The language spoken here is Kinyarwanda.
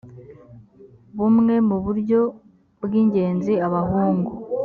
bumwe mu buryo bw ingenzi abahungu